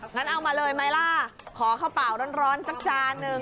งั้นเอามาเลยไหมล่ะขอข้าวเปล่าร้อนสักจานหนึ่ง